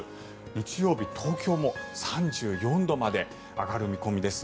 日曜日、東京も３４度まで上がる見込みです。